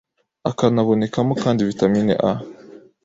akanabonekamo kandi vitamini A